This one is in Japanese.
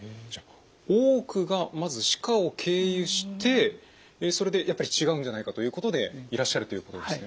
多くがまず歯科を経由してそれでやっぱり違うんじゃないかということでいらっしゃるということですね。